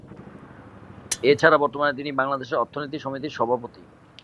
এছাড়া বর্তমানে তিনি বাংলাদেশ অর্থনীতি সমিতির সভাপতি।